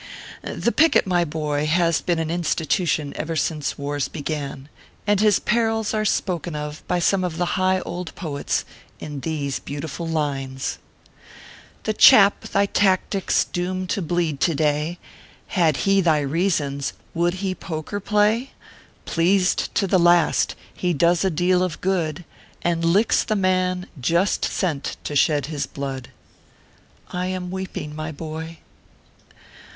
The Picket, my boy, has been an institution ever since wars began, and his perils are spoken of by some of the high old poets in these beautiful lines :" The chap thy tactics doom to bleed to day Had he thy reasons, would he poker play ? Pleased to the last, he does a deal of good, And licks the man just sent to shed his blood. 1 I am weeping, my boy.